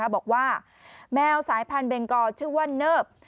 บอกว่าแมวสายพันธเบงกอชื่อว่าเนิบ